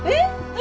何？